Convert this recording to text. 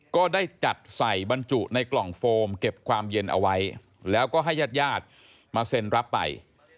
ก็ได้จัดใส่บรรจุในกล่องโฟมเก็บความเย็นเอาไว้แล้วก็ให้ญาติญาติมาเซ็นรับไป